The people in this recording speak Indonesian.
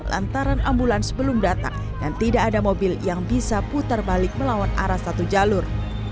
lantaran ambulans belum datang dan tidak ada mobil yang bisa putar balik melawan arah satu jalur